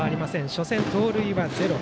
初戦、盗塁はゼロ。